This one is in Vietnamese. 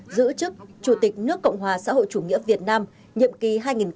giữ chức chủ tịch nước cộng hòa xã hội chủ nghĩa việt nam nhiệm kỳ hai nghìn hai mươi một hai nghìn hai mươi sáu